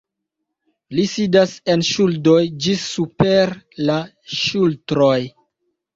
Li sidas en ŝuldoj ĝis super la ŝultroj.